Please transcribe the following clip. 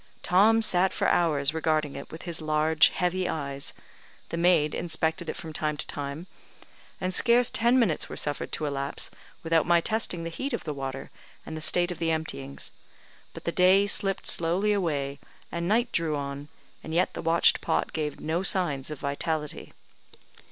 Tom sat for hours regarding it with his large heavy eyes, the maid inspected it from time to time, and scarce ten minutes were suffered to elapse without my testing the heat of the water, and the state of the emptyings; but the day slipped slowly away, and night drew on, and yet the watched pot gave no signs of vitality.